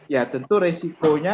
ya tentu resikonya